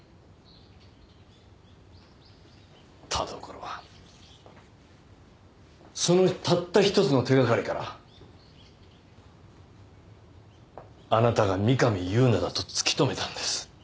田所はそのたった一つの手掛かりからあなたが三上夕菜だと突き止めたんです。